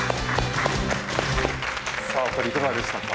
お二人いかがでしたか？